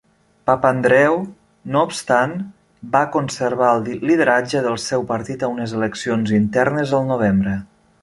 Papandreou, no obstant, va conservar el lideratge del seu partit a unes eleccions internes el novembre.